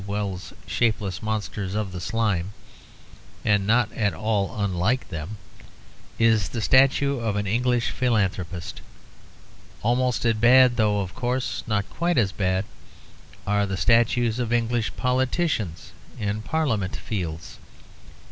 Wells's shapeless monsters of the slime (and not at all unlike them) is the statue of an English philanthropist. Almost as bad, though, of course, not quite as bad, are the statues of English politicians in Parliament Fields.